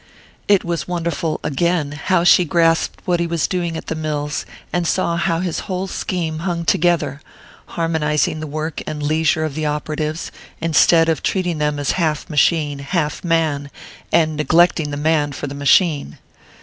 It was wonderful, again, how she grasped what he was doing in the mills, and saw how his whole scheme hung together, harmonizing the work and leisure of the operatives, instead of treating them as half machine, half man, and neglecting the man for the machine.